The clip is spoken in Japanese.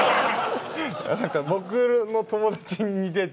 何か僕の友達に似てて。